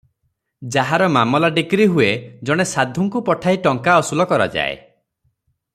ଯାହାର ମାମଲା ଡିକ୍ରୀ ହୁଏ ଜଣେ ସାଧୁଙ୍କୁ ପଠାଇ ଟଙ୍କା ଅସୁଲ କରାଯାଏ ।